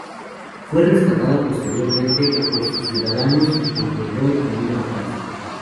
Fue rescatada posteriormente por sus conciudadanos, y completó el camino a casa.